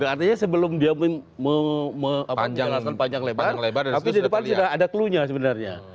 artinya sebelum dia menjelaskan panjang lebar tapi di depan sudah ada clue nya sebenarnya